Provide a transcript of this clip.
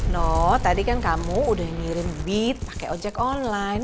no tadi kan kamu udah ngirim bit pakai ojek online